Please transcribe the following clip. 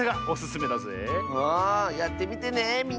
あやってみてねみんな。